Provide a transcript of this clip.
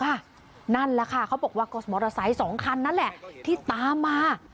นั่นแหละค่ะเขาบอกว่าก็มอเตอร์ไซค์สองคันนั่นแหละที่ตามมา